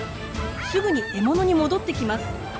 すぐに獲物に戻ってきます。